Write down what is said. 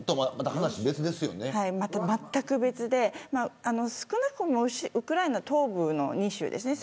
はい、まったく別で少なくともウクライナ東部の２州ですね